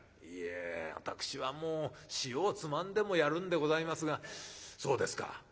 「いえ私はもう塩をつまんでもやるんでございますがそうですか。